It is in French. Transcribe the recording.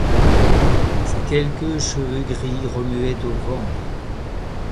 Ses quelques cheveux gris remuaient au vent.